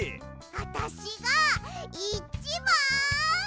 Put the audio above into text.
あたしが１ばん！